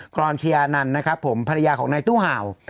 กรอนเชียนันนะครับผมภรรยาของนายตู้ห่าว